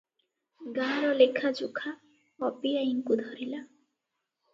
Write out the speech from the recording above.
ଗାଁର ଲେଖାଯୋଖା ଅପି ଆଈକୁ ଧରିଲା ।